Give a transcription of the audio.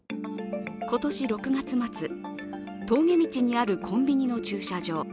今年６月末、峠道にあるコンビニの駐車場。